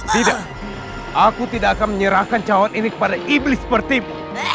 tidak aku tidak akan menyerahkan cawan ini kepada iblis pertip